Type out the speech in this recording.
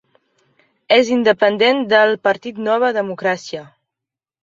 És independent de el partit Nova Democràcia.